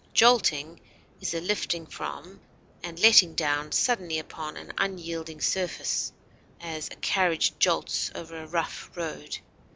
Jolting is a lifting from and letting down suddenly upon an unyielding surface; as, a carriage jolts over a rough road.